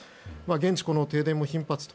現地は停電も頻発と。